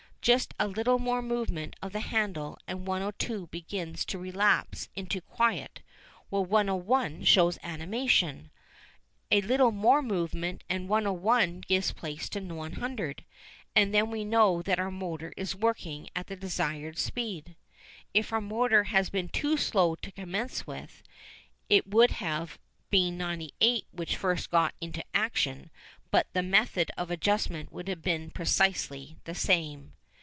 Just a little more movement of the handle, and 102 begins to relapse into quiet, while 101 shows animation. A little more movement and 101 gives place to 100, and then we know that our motor is working at the desired speed. If our motor had been too slow to commence with, it would have been 98 which first got into action, but the method of adjustment would have been precisely the same.